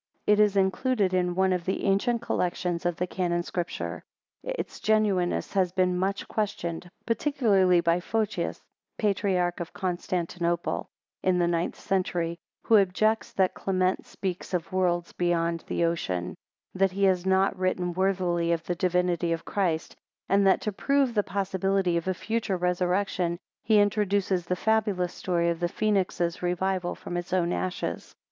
It is included in one of the ancient collections of the Canon Scripture. Its genuineness has been much questioned, particularly by Photius, patriarch of Constantinople in the ninth century, who objects that Clement speaks of worlds beyond the ocean: that he has not written worthily of the divinity of Christ; and that to prove the possibility of a future resurrection, he introduces the fabulous story of the phoenix's revival from its own ashes.